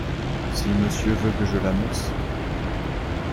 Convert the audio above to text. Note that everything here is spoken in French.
Si Monsieur veut que je l’annonce ?